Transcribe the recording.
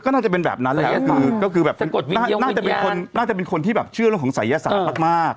ก็น่าจะเป็นแบบนั้นแล้วน่าจะเป็นคนที่เชื่อเรื่องของสายยาศาสตร์มาก